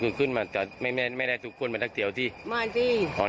อ๋อคือขึ้นมาแต่ไม่ไม่ได้ไม่ได้ถูกคุ้นมาทักเตี๋ยวที่ไม่จริง